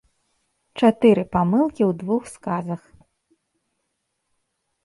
Чатыры памылкі ў двух сказах.